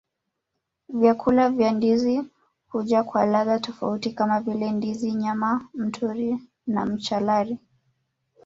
Vyakula vya ndizi huja kwa ladha tofauti kama vile ndizi nyama mtori na machalari